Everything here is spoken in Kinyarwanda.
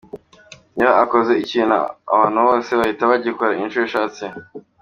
iyo akoze ikintu abantu bose bahita bagikora inshuro ashatse.